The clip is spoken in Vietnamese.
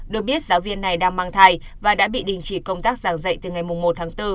được biết giáo viên này đang mang thai và đã bị đình chỉ công tác giảng dạy từ ngày một tháng bốn